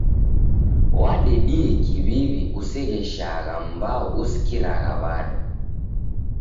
Wadedie kiw'iw'I usegheshagha mbao usikiragha w'ada.